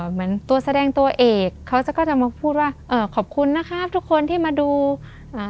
เหมือนตัวแสดงตัวเอกเขาก็จะมาพูดว่าเอ่อขอบคุณนะครับทุกคนที่มาดูอ่า